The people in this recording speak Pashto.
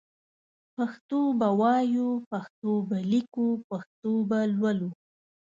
پښتو به وايو پښتو به ليکو پښتو به لولو